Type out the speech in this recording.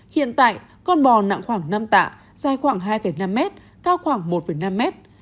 hiện tại con bò nặng khoảng năm tạ dài khoảng hai năm mét cao khoảng một năm mét